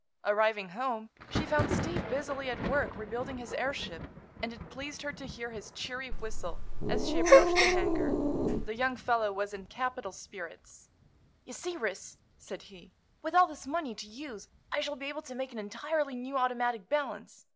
Arriving home she found Steve busily at work rebuilding his airship, and it pleased her to hear his cheery whistle as she approached the hangar. The young fellow was in capital spirits. "You see, Ris," said he, "with all this money to use I shall be able to make an entirely new automatic balance.